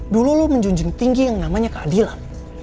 dulu lu menjunjung tinggi yang namanya keadilan